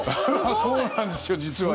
そうなんですよ、実は。